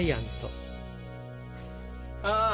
ああ